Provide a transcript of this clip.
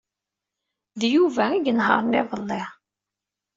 D Yuba ay inehṛen iḍelli.